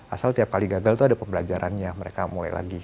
asal tiap kali gagal itu ada pembelajarannya mereka mulai lagi